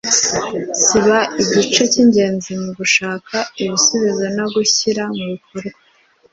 ziba igice cy’ingenzi mu gushaka ibisubizo no kubishyira mu bikorwa